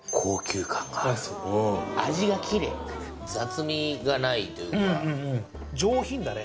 味がキレイ雑味がないというか上品だね